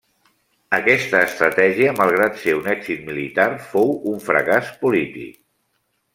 Aquesta estratègia, malgrat ser un èxit militar, fou un fracàs polític.